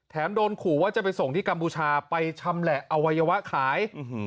โดนขู่ว่าจะไปส่งที่กัมพูชาไปชำแหละอวัยวะขาย